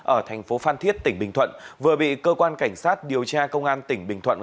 ở thành phố phan thiết tỉnh bình thuận vừa bị cơ quan cảnh sát điều tra công an tỉnh bình thuận